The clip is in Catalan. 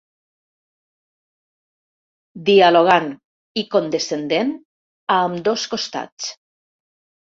Dialogant i condescendent a ambdós costats.